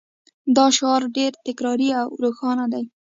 دا شعار ډیر تکراري او روښانه دی